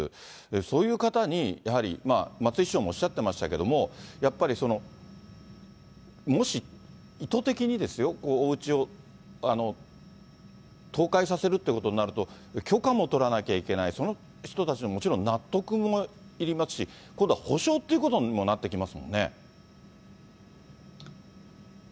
そういう方にやはり、松井市長もおっしゃってましたけれども、やっぱりもし、意図的にですよ、おうちを倒壊させるということになると、許可も取らなきゃいけない、その人たちのもちろん納得もいりますし、今度は補償ということにもなってきますもんね。